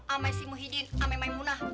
amai si muhyiddin amai maimunah